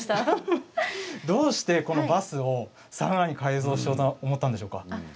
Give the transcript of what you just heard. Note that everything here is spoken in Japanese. どうしてこのバスをサウナに改造しようと思ったんですか。